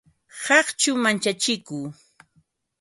Qaqchu manchachiku